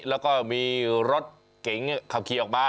แล้วก็มีรถเก๋งขับขี่ออกมา